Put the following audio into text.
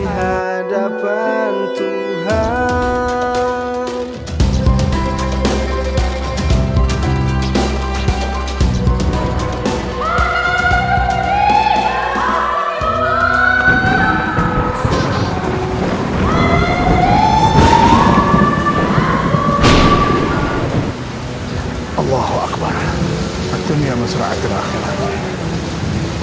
hallo akbar atanya mesra'atnya akhir akhir